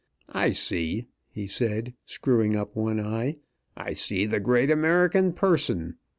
I see," he said, screwing up one eye "I see the great American person.